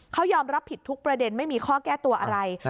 เขายอมรับผิดทุกประเด็นไม่มีข้อแก้ตัวอะไร